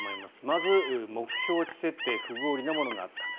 まず目標値設定不合理なものがあった。